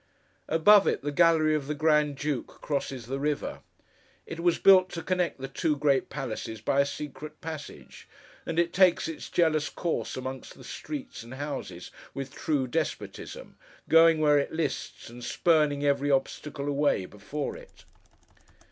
Above it, the Gallery of the Grand Duke crosses the river. It was built to connect the two Great Palaces by a secret passage; and it takes its jealous course among the streets and houses, with true despotism: going where it lists, and spurning every obstacle away, before it.